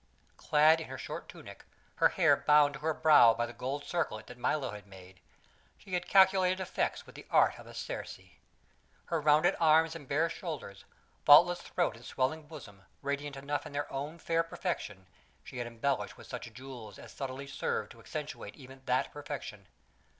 Clad in her short tunic, her hair bound to her brow by the gold circlet that Milo had made, she had calculated effects with the art of a Circe. Her rounded arms and bare shoulders, faultless throat and swelling bosom, radiant enough in their own fair perfection, she had embellished with such jewels as subtly served to accentuate even that perfection.